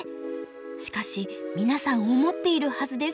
しかし皆さん思っているはずです。